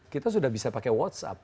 kita sudah bisa pakai whatsapp